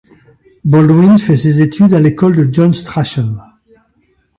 Baldwin fait ses études à l'école de John Strachan.